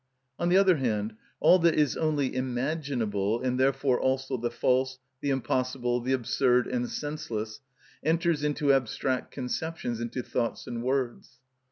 On the other hand, all that is only imaginable, and therefore also the false, the impossible, the absurd, and senseless, enters into abstract conceptions, into thoughts and words.